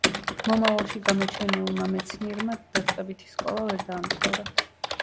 მომავალში გამოჩენილმა მეცნიერმა დაწყებითი სკოლა ვერ დაამთავრა.